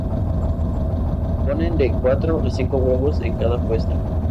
Ponen de cuatro a cinco huevos en cada puesta.